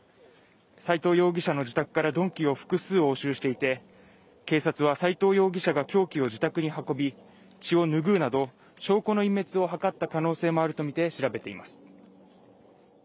斎藤容疑者の自宅から鈍器を複数押収していて警察は斎藤容疑者が凶器を自宅に運び、血を拭うなど証拠の隠滅を図った可能性もあるとして調べています。